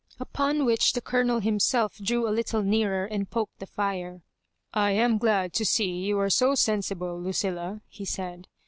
Upon which the Colonel himself drew a little nearer, and poked the fire. <'I am glad to see you are so sensible, Lucilla." he said.